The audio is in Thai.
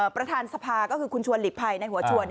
ประธานสภาก็คือคุณชวนหลีกภัยในหัวชวน